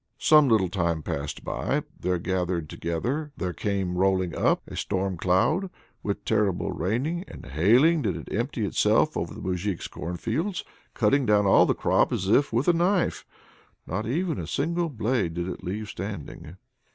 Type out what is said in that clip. Some little time passed by. There gathered together, there came rolling up, a stormcloud; with a terrible raining and hailing did it empty itself over the Moujik's cornfields, cutting down all the crop as if with a knife not even a single blade did it leave standing.